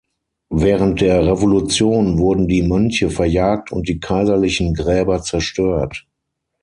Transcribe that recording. Während der Revolution wurden die Mönche verjagt und die kaiserlichen Gräber zerstört.